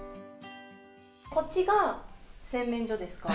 こっちが洗面所ですか？